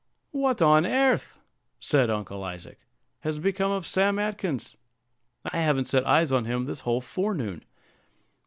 "What on airth," said Uncle Isaac, "has become of Sam Atkins? I haven't set eyes on him this whole forenoon."